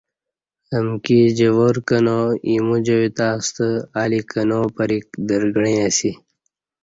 امکی جوار کنا، ا یمو جائی تہ ستہ الی کنا پرِیک درگݩعی اسی